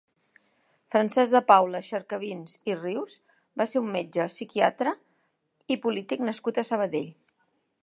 Francesc de Paula Xercavins i Rius va ser un metge psiquiatre i polític nascut a Sabadell.